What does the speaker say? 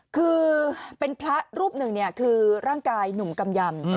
คือเป็นพระรูปหนึ่งคือร่างกายหนุ่มกำยำ